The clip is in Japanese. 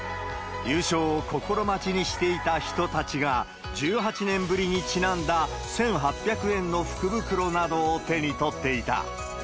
優勝を心待ちにしていた人たちが、１８年ぶりにちなんだ１８００円の福袋などを手に取っていた。